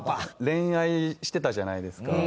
恋愛してたじゃないですか。